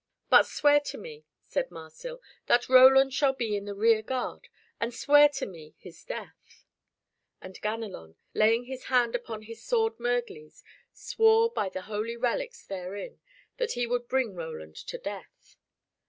"But swear to me," said Marsil, "that Roland shall be in the rear guard, and swear to me his death." And Ganelon, laying his hand upon his sword Murglies, swore by the holy relics therein, that he would bring Roland to death.